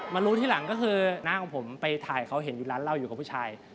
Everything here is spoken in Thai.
รู้ทีหลังก็คือน้าของผมไปถ่ายเขาเห็นอยู่ร้านเหล้าอยู่กับผู้ชาย